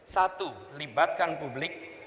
satu libatkan publik